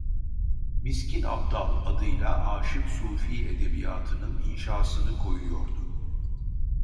Miskin Abdal adıyla aşık-sufi edebiyatının inşasını koyuyordu.